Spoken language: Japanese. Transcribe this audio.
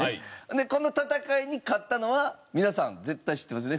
でこの戦いに勝ったのは皆さん絶対知ってますね。